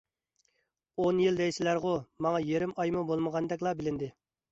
ئون يىل دەيسىلەرغۇ، ماڭا يېرىم ئايمۇ بولمىغاندەكلا بىلىندى.